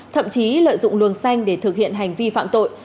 thậm chí lợi dụng luồng xanh để thực hiện hành vi phạm tội